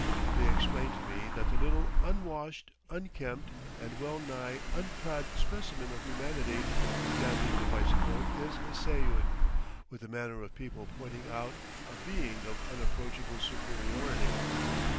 They explain to me that the little, unwashed, unkempt, and well nigh unclad specimen of humanity examining the bicycle is a seyud, with the manner of people pointing out a being of unapproachable superiority.